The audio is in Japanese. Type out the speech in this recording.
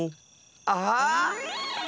あっ！